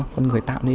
con người tạo nên